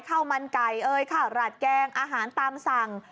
ข้าวมันไก่เอ่ยข้าวหลาดแกงอาหารตามสั่ง